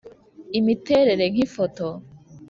imiterere nkifoto,